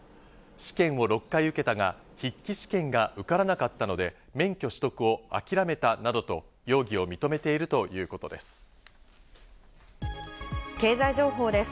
試験を６回受けたが、筆記試験が受からなかったので、免許取得を諦めたなどと容疑を認めているということです。